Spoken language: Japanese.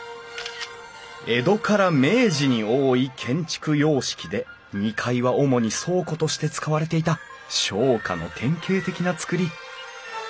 江戸から明治に多い建築様式で２階は主に倉庫として使われていた商家の典型的な造り。